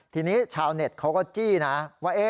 ทีนี้ชาวเน็ตเขาก็จี้นะว่า